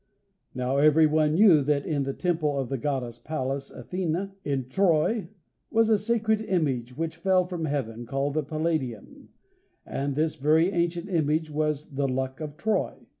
Now everyone knew that, in the temple of the Goddess Pallas Athene, in Troy, was a sacred image, which fell from heaven, called the Palladium, and this very ancient image was the Luck of Troy.